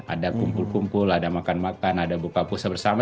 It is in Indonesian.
ada kumpul kumpul ada makan makan ada buka puasa bersama